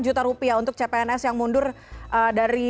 juta rupiah untuk cpns yang mundur dari